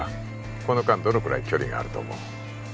この間どのくらい距離があると思う？